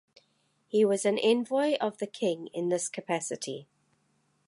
He was an envoy of the king in this capacity.